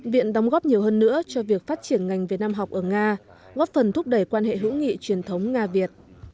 viện đóng góp nhiều hơn nữa cho việc phát triển ngành việt nam học ở nga góp phần thúc đẩy quan hệ hữu nghị truyền thống nga việt